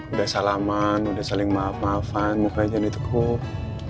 udah salaman udah saling maaf maafan muka aja di teguk